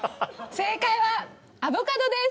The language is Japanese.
正解はアボカドです！